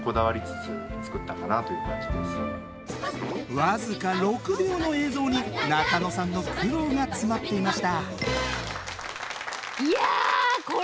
僅か６秒の映像に中野さんの苦労が詰まっていました。